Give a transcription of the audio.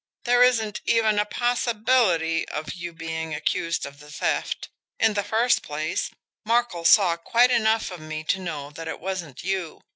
There isn't even a possibility of you being accused of the theft. In the first place, Markel saw quite enough of me to know that it wasn't you.